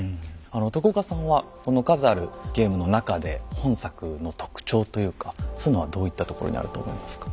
徳岡さんはこの数あるゲームの中で本作の特徴というかそういうのはどういったところにあると思いますか？